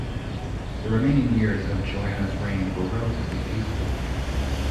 The remaining years of Joanna's reign were relatively peaceful.